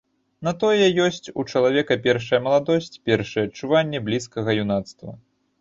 На тое ёсць у чалавека першая маладосць, першыя адчуванні блізкага юнацтва.